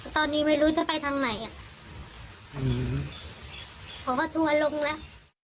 ตอนนี้ไม่รู้จะไปทางไหนอ่ะเขาก็ทัวร์ลงแล้ว